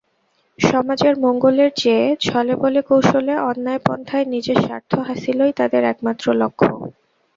সমাজের মঙ্গলের চেয়ে ছলে-বলে-কৌশলে অন্যায় পন্থায় নিজের স্বার্থ হাসিলই তাদের একমাত্র লক্ষ্য।